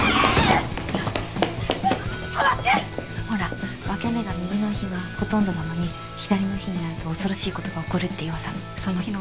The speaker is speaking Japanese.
ほら分け目が右の日がほとんどなのに左の日になると恐ろしいことが起こるっていう噂の。